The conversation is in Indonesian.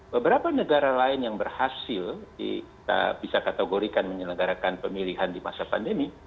beberapa negara lain yang berhasil kita bisa kategorikan menyelenggarakan pemilihan di masa pandemi